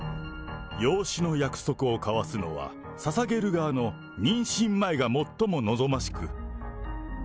養子の約束を交わすのは、ささげる側の妊娠前が最も望ましく。